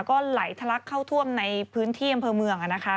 ก็ไหลทะลักเข้าท่วมในพื้นที่อำเภอเมืองนะคะ